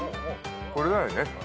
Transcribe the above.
これだよね。